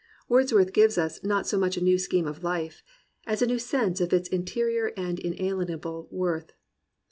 Wordsworth gives us not so much a new scheme of life as a new sense of its interior and inalienable wealth.